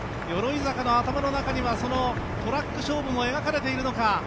鎧坂の頭の中にはトラック勝負も描かれているのか。